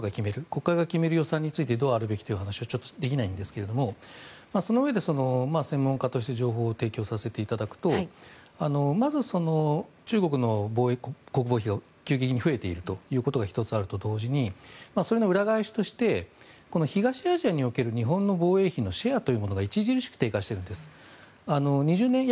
国会が決める予算についてどうあるべきという話をちょっとできないんですがそのうえで専門家として情報を提供させていただくとまず、中国の国防費が急激に増えているということが１つあると同時にそれの裏返しとして東アジアにおける日本の防衛費のシェアというものが著しく低下しているんです。